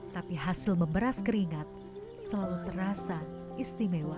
tapi hasil memberas keringat selalu terasa istimewa